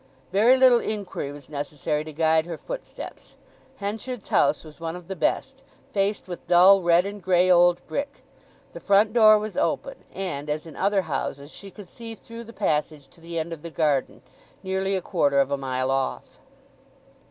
Very little inquiry was necessary to guide her footsteps. Henchard's house was one of the best, faced with dull red and grey old brick. The front door was open, and, as in other houses, she could see through the passage to the end of the garden—nearly a quarter of a mile off.